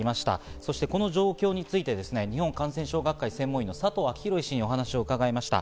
そしてこの状況について日本感染症学会専門医の佐藤昭裕氏にお話を伺いました。